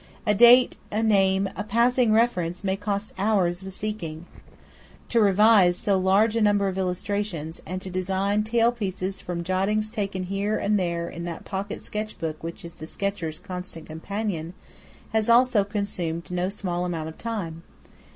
A date, a name, a passing reference, may cost hours of seeking. To revise so large a number of illustrations, and to design tailpieces from jottings taken here and there in that pocket sketch book which is the sketcher's constant companion, has also consumed no small amount of time.